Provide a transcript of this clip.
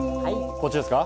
こっちですか？